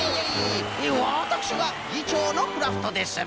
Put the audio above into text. わたくしがぎちょうのクラフトです。